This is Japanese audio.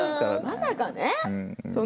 まさかね。